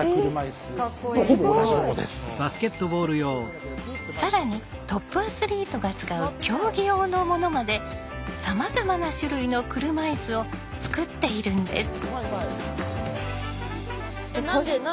これは更にトップアスリートが使う競技用のものまでさまざまな種類の車いすを作っているんです。